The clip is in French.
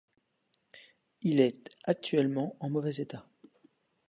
Il est actuellement en mauvais état.